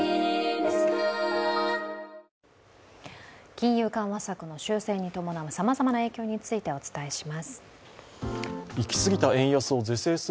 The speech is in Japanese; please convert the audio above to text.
金融緩和策の修正に伴うさまざまな影響についてお伝えします。